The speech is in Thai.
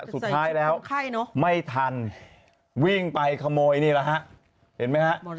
สุดท้ายแล้วไม่ทันวิ่งไปขโมยนี่แหละฮะเห็นไหมฮะ